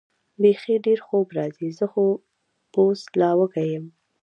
بېخي ډېر خوب راځي، زه خو اوس لا وږی یم.